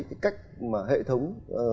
cái cách mà hệ thống